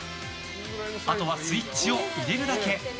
あとはスイッチを入れるだけ。